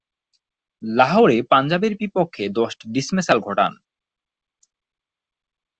লাহোরে পাঞ্জাবের বিপক্ষে দশটি ডিসমিসাল ঘটান।